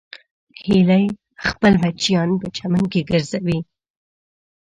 هیلۍ خپل بچیان په چمن کې ګرځوي